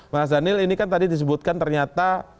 mas daniel ini kan tadi disebutkan ternyata